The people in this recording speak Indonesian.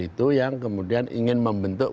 itu yang kemudian ingin membentuk